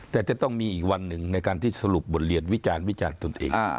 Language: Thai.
แต่จะต้องมีอีกวันหนึ่งในการที่สรุปบทเรียนวิจารณ์วิจารณ์ตนเอง